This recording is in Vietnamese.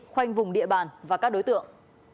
khoanh vùng địa bàn và các đối tượng